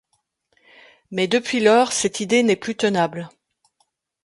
Mais depuis lors, cette idée n'est plus tenable.